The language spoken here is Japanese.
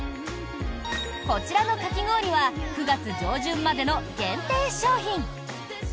こちらのかき氷は９月上旬までの限定商品。